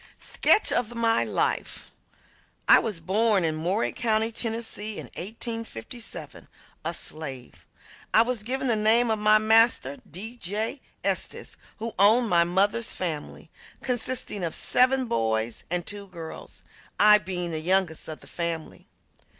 SKETCH OF MY LIFE I was born in Murray County, Tennessee, in 1857, a slave. I was given the name of my master, D. J. Estes, who owned my mother's family, consisting of seven boys and two girls, I being the youngest of the family.